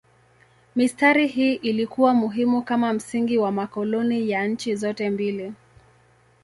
Mistari hii ilikuwa muhimu kama msingi wa makoloni ya nchi zote mbili.